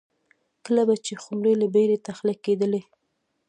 کله به چې خُمرې له بېړۍ تخلیه کېدلې